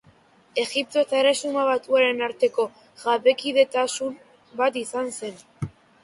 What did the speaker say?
Egipto eta Erresuma Batuaren arteko jabekidetasun bat izan zen.